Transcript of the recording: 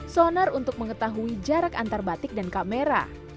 sonar untuk mengetahui jarak antar batik dan kamera